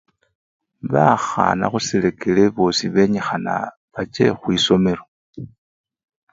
Bakhana khusirekere bosii benyikhana bache khwisomelo .